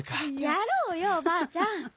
やろうよおばあちゃん。